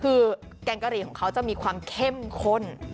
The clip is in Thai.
คือแกงกะหรี่ของเขาจะมีความเข้มข้น